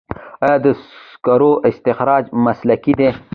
آیا د سکرو استخراج مسلکي دی؟